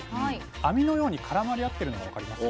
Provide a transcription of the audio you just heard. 網のように絡まり合ってるのが分かりますよね。